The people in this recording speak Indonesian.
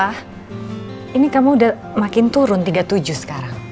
ah ini kamu udah makin turun tiga puluh tujuh sekarang